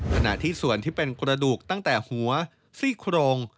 ขณะที่ส่วนที่เป็นกระดูกตั้งแต่หัวซี่โครง